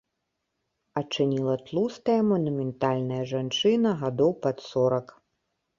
Адчыніла тлустая манументальная жанчына гадоў пад сорак.